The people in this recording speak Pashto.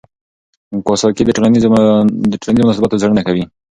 کواساکي د ټولنیزو مناسباتو څېړنه کوي.